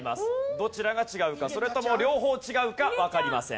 どちらが違うかそれとも両方違うかわかりません。